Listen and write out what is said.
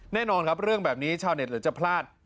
แน่นอนครับเรื่องแบบนี้ชาวเน็ตหรือจะพลาด